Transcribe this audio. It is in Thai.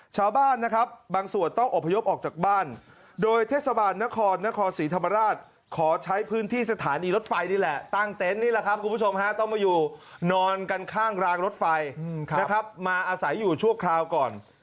ชาวบ้านนะครับบางส่วนต้องอบพยพออกจากบ้านโดยเทศบาลนครนครศรีธรรมราชขอใช้พื้นที่สถานีรถไฟนี่แหละตั้งเต็นต์นี่แหละครับคุณผู้ชมฮะต้องมาอยู่นอนกันข้างรางรถไฟนะครับมาอาศัยอยู่ชั่วคราวก่อน